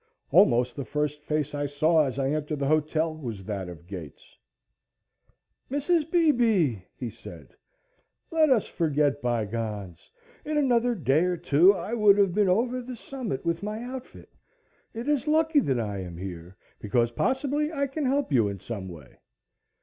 Almost the first face I saw as I entered the hotel was that of Gates. "Mrs. Beebe," he said, "let us forget bygones. In another day or two I would have been over the Summit with my outfit. It is lucky that I am here, because possibly I can help you in some way."